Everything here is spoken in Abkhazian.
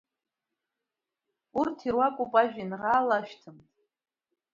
Урҭ ируакуп ажәеинраала Ашәҭымҭа.